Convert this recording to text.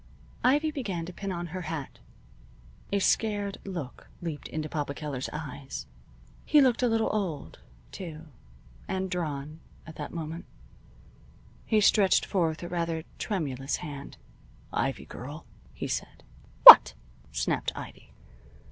Ivy began to pin on her hat. A scared look leaped into Papa Keller's eyes. He looked a little old, too, and drawn, at that minute. He stretched forth a rather tremulous hand. "Ivy girl," he said. "What?" snapped Ivy.